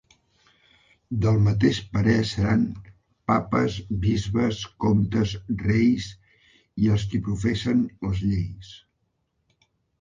Del mateix parer seran papes, bisbes, comtes, reis, i els qui professen les lleis.